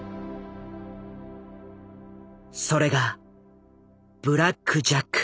それが「ブラック・ジャック」。